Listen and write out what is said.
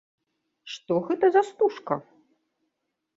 Што гэта за стужка?